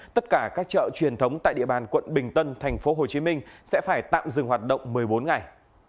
tất cả các chợ truyền thống tại địa bàn quận bình tân tp hcm sẽ phải tạm dừng hoạt động một mươi bốn ngày